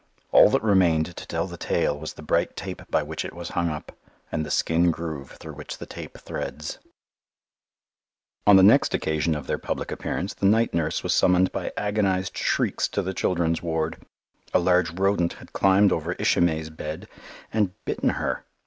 All that remained to tell the tale was the bright tape by which it was hung up, and the skin groove through which the tape threads. [Illustration: THEY ATE THE ENTIRE BOOT] On the next occasion of their public appearance the night nurse was summoned by agonized shrieks to the children's ward. A large rodent had climbed upon Ishimay's bed and bitten her.